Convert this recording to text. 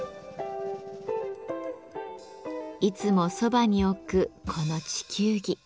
いつもそばに置くこの地球儀。